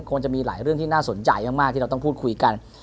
คงจะมีหลายเรื่องที่น่าสนใจมากที่เราต้องพูดคุยกัน